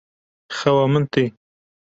Xewa min tê.